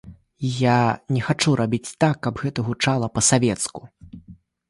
Я не хачу рабіць так, каб гэта гучала па-савецку.